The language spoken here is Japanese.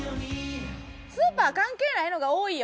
スーパー関係ないのが多いよ